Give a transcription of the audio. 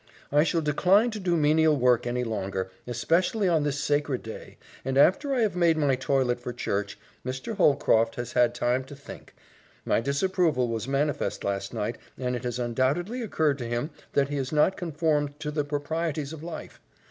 "I shall decline to do menial work any longer, especially on this sacred day, and after I have made my toilet for church. Mr. Holcroft has had time to think. My disapproval was manifest last night and it has undoubtedly occurred to him that he has not conformed to the proprieties of life.